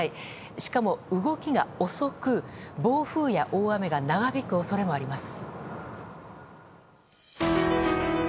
しかも、動きが遅く暴風や大雨が長引く恐れがあります。